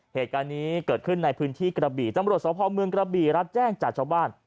เหตุการณ์นี้เกิดขึ้นในพื้นที่กระบี่ตำรวจสภเมืองกระบี่รับแจ้งจากชาวบ้าน